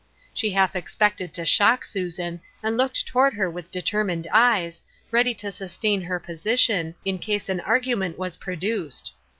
She half expected to shock Susan, and looked toward her with determined eyes, ready to sus tain her position, in case an argument was pro duced.